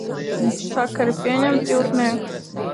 Sakari pieņemti, jūrniek?